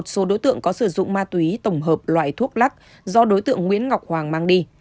sử dụng ma túy tổng hợp loại thuốc lắc do đối tượng nguyễn ngọc hoàng mang đi